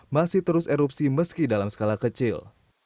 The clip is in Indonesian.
masih terus erupsi meski dalam skala kecil